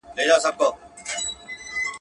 مار ژوندی ورڅخه ولاړی گړندی سو.